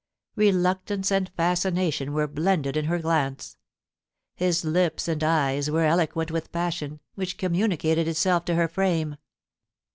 Reluctance and fascination were blended in her glance. His lips and eyes were eloquent with passion, which communicated itself to her frame.